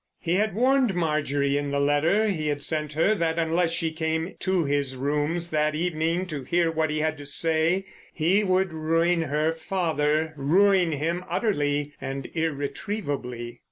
He had warned Marjorie in the letter he had sent her that unless she came to his rooms that evening to hear what he had to say he would ruin her father, ruin him utterly and irretrievably.